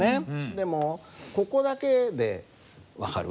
でもここだけで分かる？